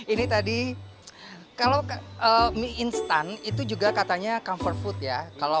ini tadi kalau mie instan itu juga katanya comfort food ya